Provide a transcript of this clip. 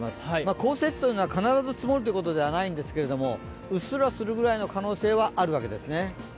降雪というのは必ず積もるということではないんですけどうっすらするぐらいの可能性はあるわけですね。